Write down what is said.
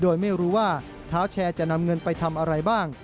โดยไม่รู้ว่าเท้าแชร์จะนำเงินไปทำอะไรบ้าง